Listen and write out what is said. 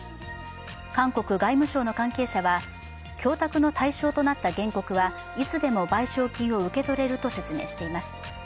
韓国外務省の関係者は供託の対象となった原告はいつでも賠償金を受け取れると説明しています。